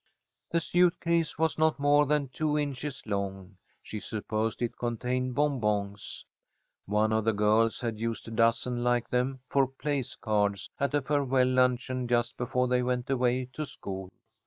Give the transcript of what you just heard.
The suit case was not more than two inches long. She supposed it contained bonbons. One of the girls had used a dozen like them for place cards at a farewell luncheon just before they went away to school.